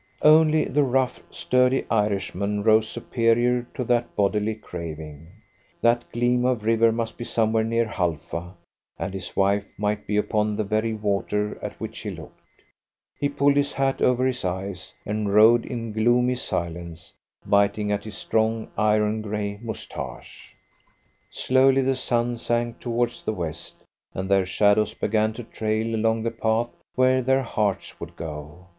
Only the rough, sturdy Irishman rose superior to that bodily craving. That gleam of river must be somewhere near Halfa, and his wife might be upon the very water at which he looked. He pulled his hat over his eyes, and rode in gloomy silence, biting at his strong, iron grey moustache. Slowly the sun sank towards the west, and their shadows began to trail along the path where their hearts would go.